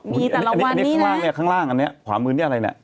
มีแต่ละวันนี้นะอันนี้ข้างล่างขวามือนี่อะไรนะ